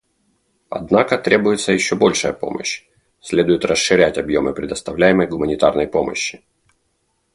Однако требуется еще большая помощь; следует расширять объемы предоставляемой гуманитарной помощи.